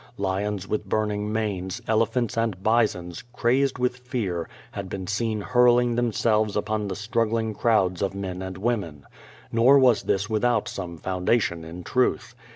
lions with burning manes* elephants and bisons, crazed with fear, had been seen hurling themselves upon the struggling crowds of men and women. Nor was this without some foundation in truth.